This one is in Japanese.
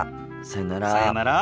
さようなら。